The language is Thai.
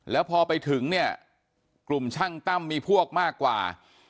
แล้วพอไปถึงเนี่ยกลุ่มช่างตั้มมีพวกมากกว่า